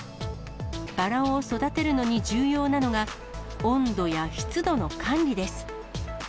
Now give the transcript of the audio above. バラを育てるのに重要なのが、温度や湿度の管理です。